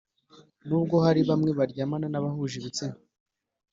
Nubwo hari bamwe baryamana n abo bahuje igitsina